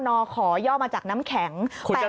นขอย่อมาจากน้ำแข็ง๘๑๘๙